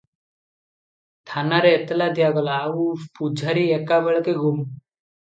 ଥାନାରେ ଏତଲା ଦିଆଗଲା, ଆଉ ପୂଝାରୀ ଏକା ବେଳକେ ଗୁମ୍!